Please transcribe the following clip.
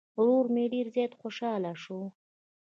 ورور مې ډير زيات خوشحاله شو